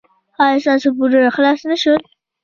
ایا ستاسو پورونه خلاص نه شول؟